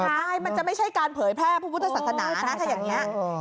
ใช่มันจะไม่ใช่การเผยแพร่พระพุทธศาสนานะถ้าอย่างนี้